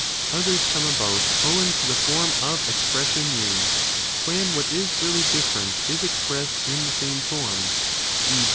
10 Others come about owing to the form of expression used, when what is really different is expressed in the same form, e.